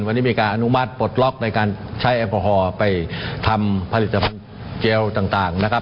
วันนี้มีการอนุมัติปลดล็อกในการใช้แอลกอฮอล์ไปทำผลิตภัณฑ์เจลต่างนะครับ